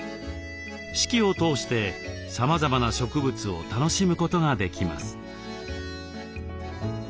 四季を通してさまざまな植物を楽しむことができます。